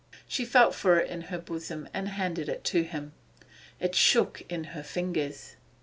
She felt for it in her bosom and handed it to him. It shook in her fingers.